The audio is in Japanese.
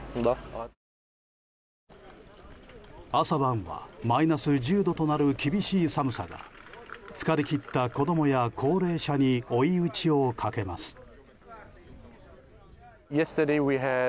朝晩はマイナス１０度となる厳しい寒さが疲れ切った子供や高齢者に追い打ちをかけます。